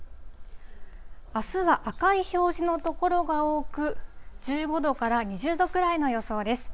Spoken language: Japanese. あすは赤い表示の所が多く、１５度から２０度くらいの予想です。